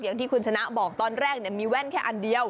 อย่างที่คุณชนะบอกตอนแรกมีแว่นแค่อันเดียว